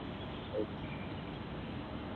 অ্যাঞ্জ, কী করছ তুমি?